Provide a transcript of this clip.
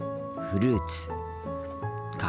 フルーツか。